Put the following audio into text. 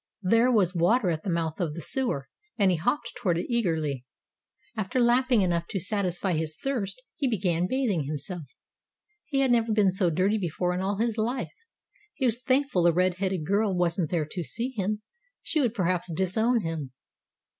There was water at the mouth of the sewer, and he hopped toward it eagerly. After lapping enough to satisfy his thirst, he began bathing himself. He had never been so dirty before in all his life. He was thankful the red haired girl wasn't there to see him. She would perhaps disown him.